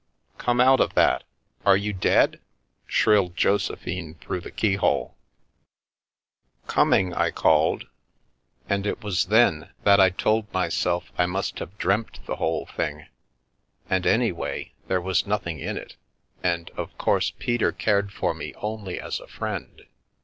" Come out of that ! Are you dead ?" shrilled Joseph ine through the key hole. r\*+ The Milky Way " Coming," I called, and it was then that I told myself I must have dreamt the whole thing, and anyway there was nothing in it, and of course Peter cared for me only as a friend.